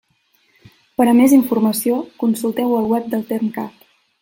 Per a més informació, consulteu el web del Termcat.